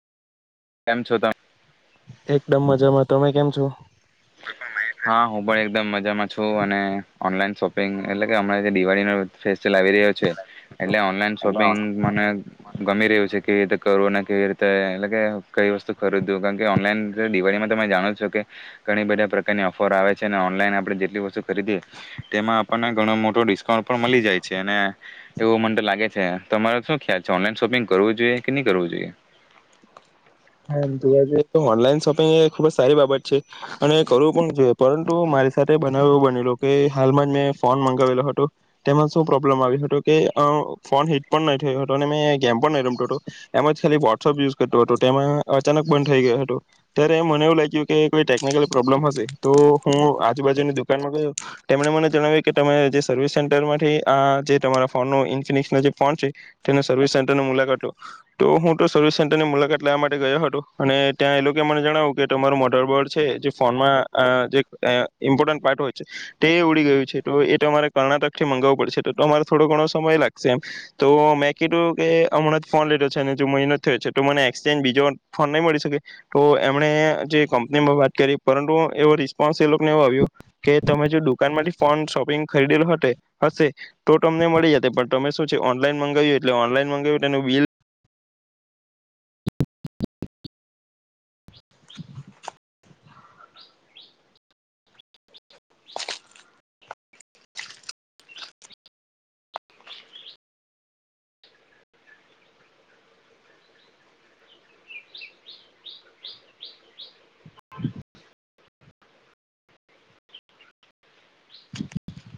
કેમ છો તમે એકદમ મજામાં તમે કેમ છો હા હું પણ એકદમ મજામાં છું અને ઓનલાઈન શોપિંગ એટલે કે હમણાં જે દિવાળીનો ફેસટીવલ લાવ આવી રહ્યો છે એટલે ઓનલાઈન એટલે શોપિંગ મને ગમી રહ્યું છે કેવી રીતે કરવુ કેવી રીતે એટલે કે કઈ વસ્તુ ખરીદુ? કારણ કે ઓનલાઈન દિવાળીમાં તમે જાણો છો કે ઘણી બધા પ્રકારની ઓફર આવે છે. અને ઓનલાઈન આપણે જેટલી વસ્તુ ખરીદીએ તેમાં આપણને ઘણો મોટો ડિસ પણ પણ મળી જાય છે. ને એવું મને તો લાગે છે. તમારો શું ખ્યાલ ઓનલાઈન શોપિંગ કરવું જોઈએ? કે નહી કરવું જોઈએ? હા એમ જોવા જઈએ તો ઓનલાઈન શોપિંગ એ ખુબ જ સારી બાબત છે. અને કરવું પણ જોઈએ. પરંતુ મારી સાથે બનાવ એવું બનેલો કે હાલમાં મેં ફોન મંગાવેલો હતો. તેમાં શું પ્રોબ્લેમ આવ્યો હતો કે અ ફોન હિટ પણ નહી થયો હતો. અને મેં ગેમ પણ નહી રમતો હતો. એમજ ખાલી વોટ્સઅપ યુઝ કરતો હતો તેમાં અચાનક બંધ થઈ ગયો હતો. ત્યારે મને એવું લાગ્યું કે કોઈ ટેકનિકલ પ્રોબ્લમ હશે. તો હું આજુબાજુની દુકાનમાં ગયો. તેમણે મને જણાવ્યું કે તમે જે સર્વિસ સેન્ટરમાંથી આ જે તમારા ફોન નો ઇન્ફિનિક્સ ના જે ફોન છે તેની સર્વિસ સેન્ટરની મુલાકાત લો. તો હું તો સર્વિસ સેન્ટરની મુલાકાત લા માટે ગયો હતો. અને ત્યાં એ લોકો મને જણાવ્યું કે તમારું મોટર બોર્ડ છે, જે ફોનમાં આ જે આ ઇમ્પોર્ટન્ટ પાર્ટ હોય છે, તે ઉડી ગયું છે. તો એ તમારે કર્ણાટક થી મંગાવવું પડશે. તો તમારે થોડો ઘણો સમય લાગશે. એમ તો મેં કીધું કે હમણાં જ ફોન લીધો છે, અને જો મહિનો થયો છે. તો મને એસચેન્જ બીજો ફોન નહી મળી શકે? તો એમણે જે કંપનીમાં વાત કરી પરંતુ એવો રિસ્પોન્સ એ લોકોને એવુ આવ્યો. કે તમે જો દુકાન માંથી ફોન શોપિંગ ખરીદેલો હોતે હશે તો તમને મળી જતે. પણ તમે શું છે ઓનલાઈન મંગાવ્યું. એટલે ઓનલાઈન મગાવ્યું તેનુ બિલ